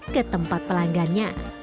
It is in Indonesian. ke tempat pelanggannya